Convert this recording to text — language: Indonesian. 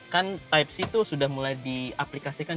kan type c tuh sudah mulai di aplikasikan